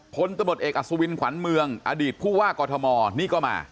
ผลตมตเอกอสวินขวานเมืองอดีตผู้ว่ากอทมนี่ก็มา